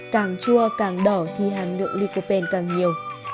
càng chua càng đỏ thì hàm lượng licopen càng nhiều